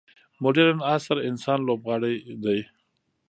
مډرن عصر انسان لوبغاړی دی.